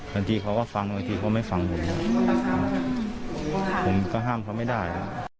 บางทีเขาก็ฟังบางทีเขาไม่ฟังผมผมก็ห้ามเขาไม่ได้